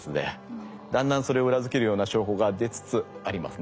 だんだんそれを裏付けるような証拠が出つつありますね。